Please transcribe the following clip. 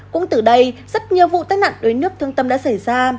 cũng từ đây rất nhiều vụ tai nạn đuối nước thương tâm đã xảy ra